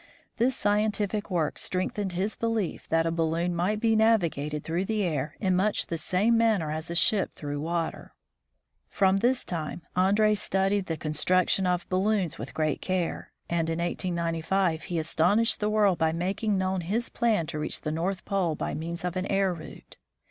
This scientific work strengthened his belief that a balloon might be navigated through the air in much the same manner as a ship through water. From this time Andree studied the construction of bal loons with great care, and in 1895 he astonished the world by making known his plan to reach the North Pole by means of an air route.